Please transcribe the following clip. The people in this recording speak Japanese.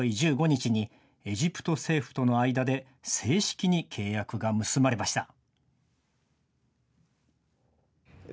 １５日にエジプト政府との間で正式に契約が結ばれました。